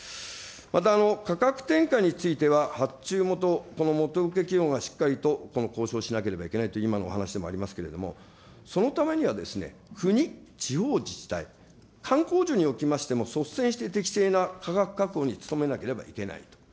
また、価格転嫁については、発注元、この元請け企業がしっかりと交渉しなければいけないという今のお話でもありますけれども、そのためには国、地方自治体、観光庁におきましても、率先して適正な価格確保に努めなければいけないと。